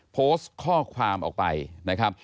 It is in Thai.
โพสต์ข้อความออกไปนะครับ